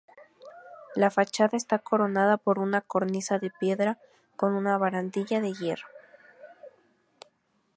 La fachada está coronada por una cornisa de piedra con una barandilla de hierro.